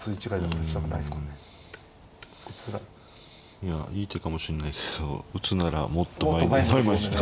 いやいい手かもしんないけど打つならもっと前に打ちたかった。